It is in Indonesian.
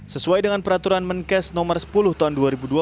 sesuai dengan peraturan menkes nomor sepuluh tahun dua ribu dua puluh